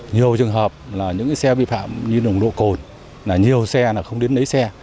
nhiều trường hợp là những xe vi phạm như nồng lộ cồn nhiều xe không đến lấy xe